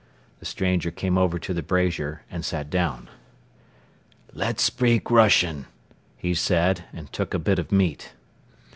The stranger came over to the brazier and sat down. "Let's speak Russian," he said and took a bit of meat.